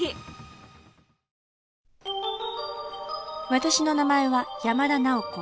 私の名前は山田奈緒子